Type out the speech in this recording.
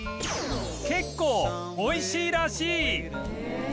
結構美味しいらしい